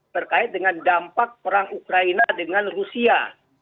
terkait dengan dampak perang ukraina dengan rusia